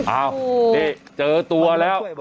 อ้าวเจอตัวแล้ว